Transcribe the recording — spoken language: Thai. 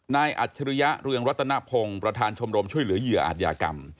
อัจฉริยะเรืองรัตนพงศ์ประธานชมรมช่วยเหลือเหยื่ออาจยากรรม